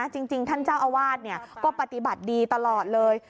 จริงท่านเจ้าอาวาสก็ปฏิบัติดีตลอดเลย